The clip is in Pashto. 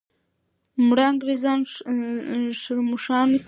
مړه انګریزان ښرموښانو ته پرېږده.